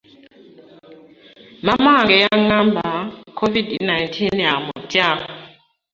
Maama wange yangamba covid nineteen amutya.